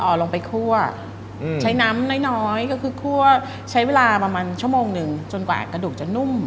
เอาลงไปคั่วใช้น้ำน้อยน้อยก็คือคั่วใช้เวลาประมาณชั่วโมงหนึ่งจนกว่ากระดูกจะนุ่ม